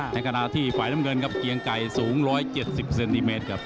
ขณะที่ฝ่ายน้ำเงินครับเกียงไก่สูง๑๗๐เซนติเมตรครับ